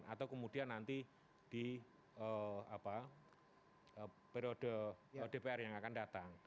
atau kemudian nanti di periode dpr yang akan datang